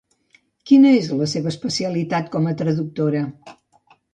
Quina és la seva especialitat com a traductora?